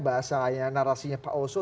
bahasanya narasinya pak oso